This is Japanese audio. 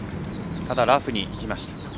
ただ、ラフにいきました。